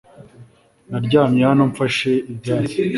Naryamye hano mfashe ibyatsi